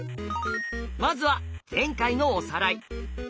まずは前回のおさらい。